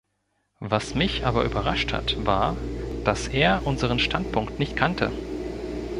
Was mich aber überrascht hat, war, dass er unseren Standpunkt nicht kannte.